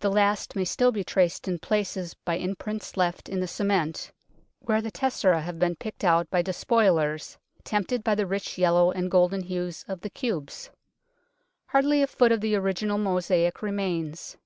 The last may still be traced in places by imprints left in the cement, where the tesserae have been picked out by despoilers, tempted by the rich yellow and golden tones of the cubes. Hardly a foot of the original mosaic remains.